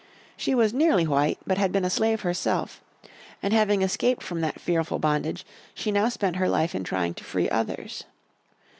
She was nearly white, but had been a slave herself. And having escaped from that fearful bondage she now spent her life in trying to free others.